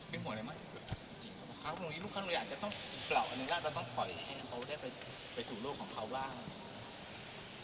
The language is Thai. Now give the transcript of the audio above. เขาได้ไปสู่โลกของเขาบ้าง